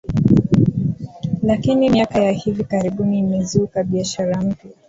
Lakini miaka ya hivi karibuni imezuka biashara mpya